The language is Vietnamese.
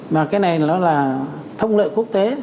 mà cái này nó là thông lợi quốc tế